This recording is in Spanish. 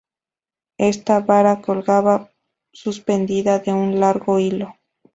Esta vara colgaba suspendida de un largo hilo.